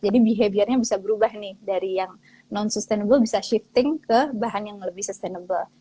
jadi behaviornya bisa berubah nih dari yang non sustainable bisa shifting ke bahan yang lebih sustainable